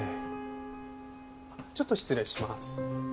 あっちょっと失礼します。